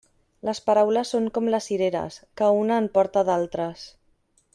Les paraules són com les cireres, que una en porta d'altres.